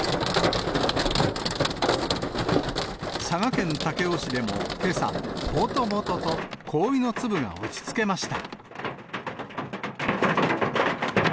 佐賀県武雄市でもけさ、ぼとぼとと氷の粒が打ちつけました。